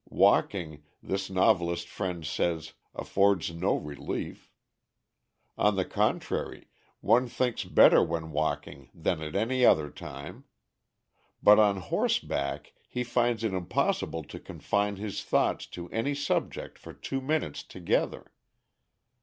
Walking, this novelist friend says, affords no relief. On the contrary, one thinks better when walking than at any other time. But on horseback he finds it impossible to confine his thoughts to any subject for two minutes together.